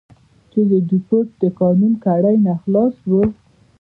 چې د دیپورت د قانون له کړۍ نه خلاص وو.